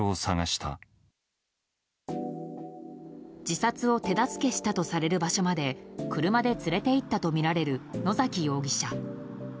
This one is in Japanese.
自殺を手助けしたとされる場所まで車で連れて行ったとみられる野崎容疑者。